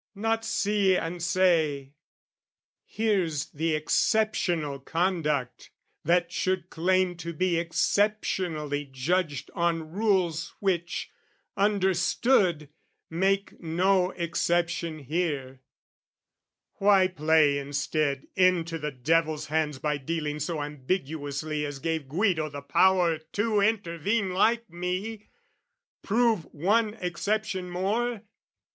not see and say, "Here's the exceptional conduct that should claim "To be exceptionally judged on rules "Which, understood, make no exception here" Why play instead into the devil's hands By dealing so ambiguously as gave Guido the power to intervene like me, Prove one exception more?